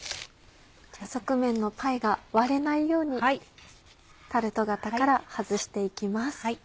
側面のパイが割れないようにタルト型から外して行きます。